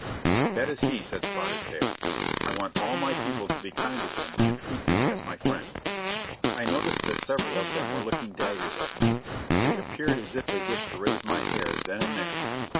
"That is he," said Spotted Tail. "I want all my people to be kind to him and treat him as my friend." I noticed that several of them were looking daggers at me. They appeared as if they wished to raise my hair then and there.